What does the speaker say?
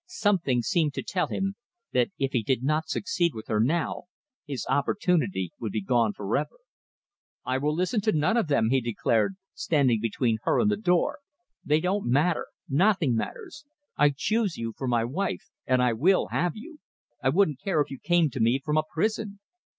Something seemed to tell him that if he did not succeed with her now, his opportunity would be gone forever. "I will listen to none of them," he declared, standing between her and the door. "They don't matter! Nothing matters! I choose you for my wife, and I will have you. I wouldn't care if you came to me from a prison.